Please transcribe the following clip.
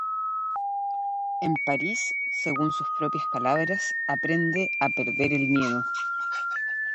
En París, según sus propias palabras aprende a "perder el miedo".